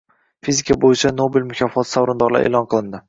Fizika bo‘yicha Nobel mukofoti sovrindorlari e’lon qilindi